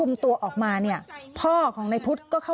มึงอยากให้ผู้ห่างติดคุกหรอ